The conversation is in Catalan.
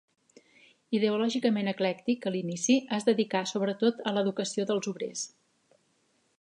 Ideològicament eclèctic a l'inici, es dedicà sobretot a l'educació dels obrers.